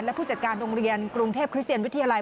และผู้จัดการโรงเรียนกรุงเทพคริสเซียนวิทยาลัย